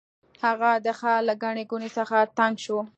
هغه د ښار له ګڼې ګوڼې څخه تنګ شو.